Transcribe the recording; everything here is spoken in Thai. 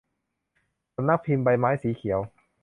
สำนักพิมพ์ใบไม้สีเขียว